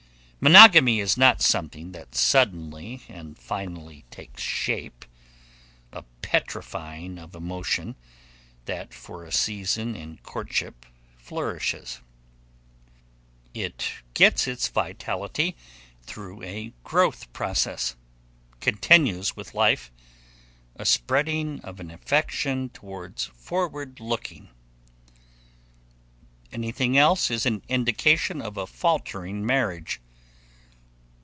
Monogamy is not something that suddenly and finally takes shape, a petrifying of emotion that for a season in courtship flourishes. It gets its vitality through a growth process, continues with life, a spreading of an affection always forward looking; anything else is an indication of a faltering marriage.